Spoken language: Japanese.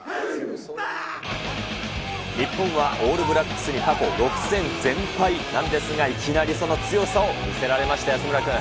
日本はオールブラックスに、過去６戦全敗なんですが、いきなり、その強さを見せられましたよ、安村君。